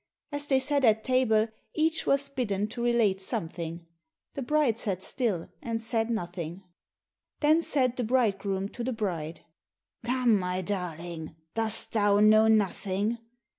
As they sat at table, each was bidden to relate something. The bride sat still, and said nothing. Then said the bridegroom to the bride, "Come, my darling, dost thou know nothing?